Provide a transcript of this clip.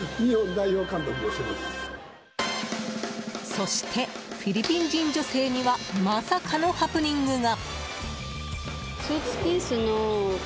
そして、フィリピン人女性にはまさかのハプニングが。